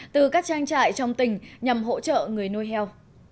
từ các trang trại trong tỉnh nhằm hỗ trợ người nuôi heo